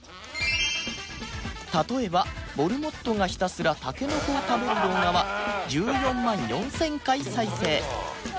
例えばモルモットがひたすらタケノコを食べる動画は１４万４０００回再生